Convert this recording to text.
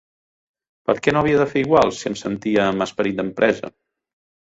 Per què no havia de fer igual, si em sentia amb esperit d'empresa?